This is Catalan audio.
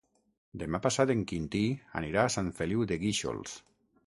Demà passat en Quintí anirà a Sant Feliu de Guíxols.